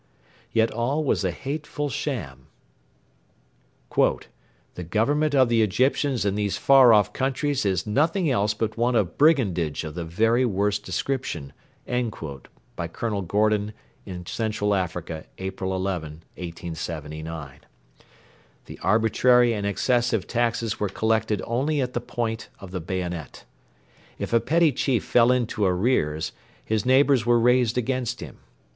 Yet all was a hateful sham ['The government of the Egyptians in these far off countries is nothing else but one of brigandage of the very worst description.' COLONEL GORDON IN CENTRAL AFRICA, April 11, 1879.] The arbitrary and excessive taxes were collected only at the point of the bayonet. If a petty chief fell into arrears, his neighbours were raised against him.